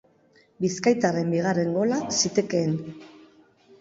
Bizkaitarren bigarren gola zitekeen.